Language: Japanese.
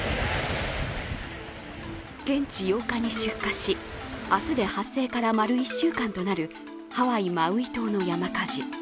現地８日に出火し明日で発生から丸１週間となるハワイ・マウイ島の山火事。